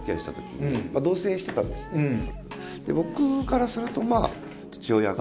僕からするとまあ。